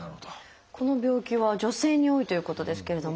この病気は女性に多いということですけれども。